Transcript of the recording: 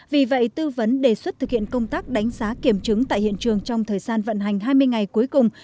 vì vậy tư vấn đề xuất thực hiện công tác đánh giá kiểm chứng tại hiện trường trong thời gian vận hành hai mươi ngày cuối cùng